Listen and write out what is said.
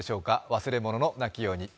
忘れ物のなきように。